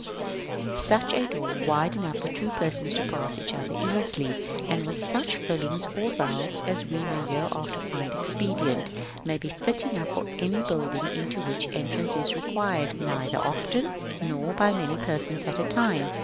Such a door, wide enough for two persons to pass each other easily, and with such fillings or valves as we may hereafter find expedient, may be fit enough for any building into which entrance is required neither often, nor by many persons at a time.